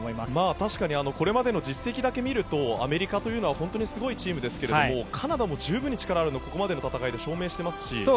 確かにこれまでの実績だけ見るとアメリカというのは本当にすごいチームですがカナダも十分に力があるのはこれまでの試合で証明していますし。